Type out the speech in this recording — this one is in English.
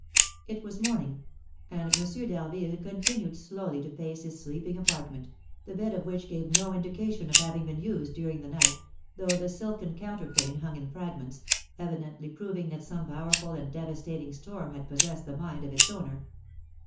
It was morning; and M. d'Harville continued slowly to pace his sleeping apartment, the bed of which gave no indication of having been used during the night, though the silken counterpane hung in fragments, evidently proving that some powerful and devastating storm had possessed the mind of its owner.